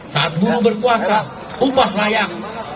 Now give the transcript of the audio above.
saat buruh berkuasa upah layak